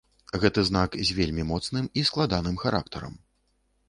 Гэты знак з вельмі моцным і складаным характарам.